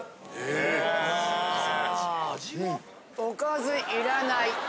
おかずいらない。